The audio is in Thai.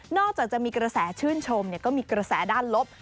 จากจะมีกระแสชื่นชมก็มีกระแสด้านลบ